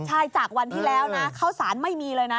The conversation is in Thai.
ใช่จากวันที่แล้วนะข้าวสารไม่มีเลยนะ